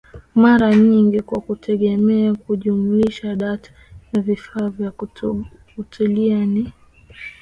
mara nyingi kwa kutegemea kujumlisha data ya vifaa vya kufuatilia na